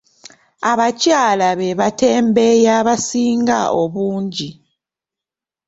Abakyala be batembeeyi abasinga obungi.